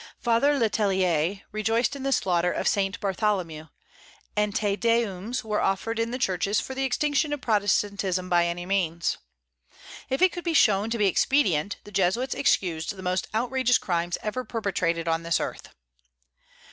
Father Le Tellier rejoiced in the slaughter of Saint Bartholomew, and Te Deums were offered in the churches for the extinction of Protestantism by any means. If it could be shown to be expedient, the Jesuits excused the most outrageous crimes ever perpetrated on this earth.